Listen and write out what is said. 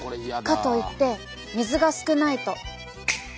かといって水が少ないと。